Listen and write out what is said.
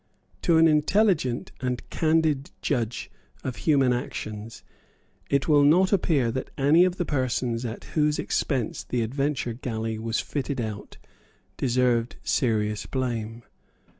To an intelligent and candid judge of human actions it will not appear that any of the persons at whose expense the Adventure Galley was fitted out deserved serious blame.